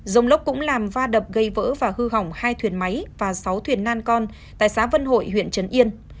rông lốc cũng làm va đập gây vỡ và hư hỏng hai thuyền máy và sáu thuyền nan con tại xã vân hội huyện trấn yên